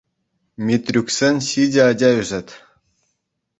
Митрюксен ҫичӗ ача ӳсет.